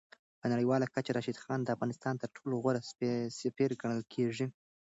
په نړیواله کچه راشد خان د افغانستان تر ټولو غوره سفیر ګڼل کېږي.